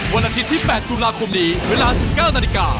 วันอาทิตย์ที่๘ตุลาคมนี้เวลา๑๙นาฬิกา